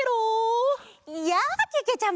やあけけちゃま！